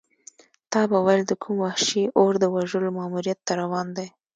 تا به ویل د کوم وحشي اور د وژلو ماموریت ته روان دی.